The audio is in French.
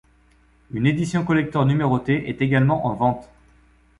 Une édition collector numérotée est également en vente.